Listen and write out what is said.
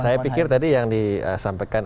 saya pikir tadi yang disampaikan